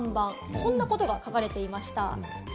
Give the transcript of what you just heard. こんなことが書かれていました。